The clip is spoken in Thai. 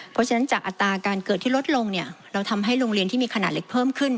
เพราะฉะนั้นจากอัตราการเกิดที่ลดลงเนี่ยเราทำให้โรงเรียนที่มีขนาดเล็กเพิ่มขึ้น